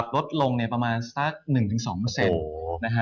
ลดลงในประมาณสัก๑๒เปอร์เซ็นต์